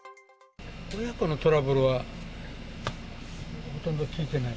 親子のトラブルはほとんど聞いてない。